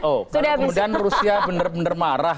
oh kalau kemudian rusia benar benar marah